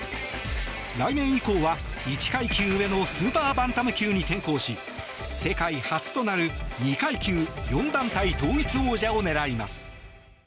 来年以降は１階級上のスーパーバンタム級に転向し世界初となる２階級４団体統一王者を狙います。